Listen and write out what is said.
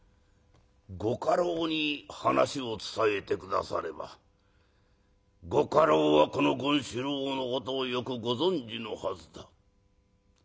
「ご家老に話を伝えて下さればご家老はこの権四郎のことをよくご存じのはずだ。